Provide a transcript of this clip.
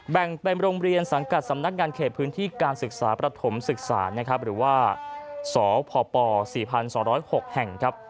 แบ่งเป็นโรงเรียนสังกัดสำนักงานเขตพื้นที่การศึกษาประถมศึกษานะครับหรือว่าสพป๔๒๐๖แห่งครับ